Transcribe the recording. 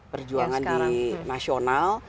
perjuangan di nasional